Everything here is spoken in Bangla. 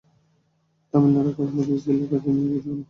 তামিলনাড়ুর কোন ছেলের কাছে মেয়ে বিয়ে দিবো না।